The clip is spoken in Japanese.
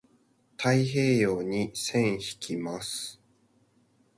太平洋に線引きます。